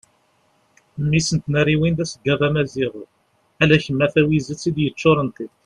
mmi-s n tnariwin d aseggad amaziɣ ala kem a tawizet i d-yeččuren tiṭ